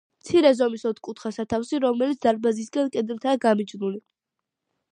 მცირე ზომის, ოთხკუთხა სათავსი, რომელიც დარბაზისაგან, კედლითაა გამიჯნული.